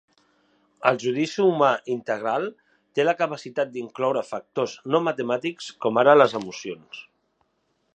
El judici humà integral té la capacitat d'incloure factors no matemàtics com ara les emocions.